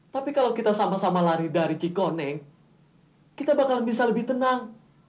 tapi kalau kita sama sama lari dari cikone kita bakal bisa lebih tenang